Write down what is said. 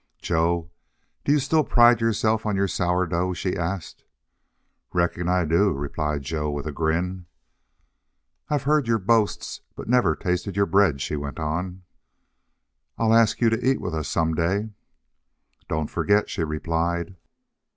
"Joe, do you still pride yourself on your sour dough?" she asked. "Reckon I do," replied Joe, with a grin. "I've heard your boasts, but never tasted your bread," she went on. "I'll ask you to eat with us some day." "Don't forget," she replied.